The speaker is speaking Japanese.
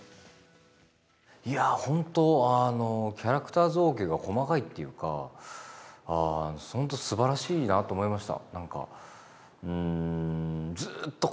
いやー、本当キャラクター造形が細かいっていうか本当すばらしいなと思いました。